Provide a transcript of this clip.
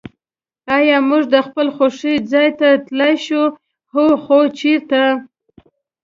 آیا موږ د خپل خوښي ځای ته تللای شوای؟ هو. خو چېرته؟